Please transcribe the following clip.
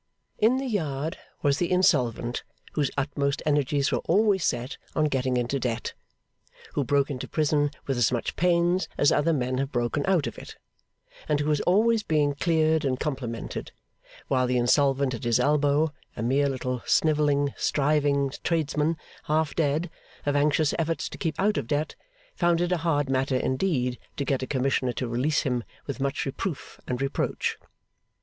In the yard, was the insolvent whose utmost energies were always set on getting into debt, who broke into prison with as much pains as other men have broken out of it, and who was always being cleared and complimented; while the insolvent at his elbow a mere little, snivelling, striving tradesman, half dead of anxious efforts to keep out of debt found it a hard matter, indeed, to get a Commissioner to release him with much reproof and reproach.